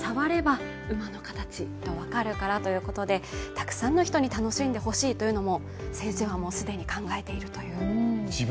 たくさんの人に楽しんでほしいというのも先生は既に考えているという。